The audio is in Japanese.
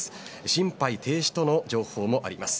心肺停止との情報もあります。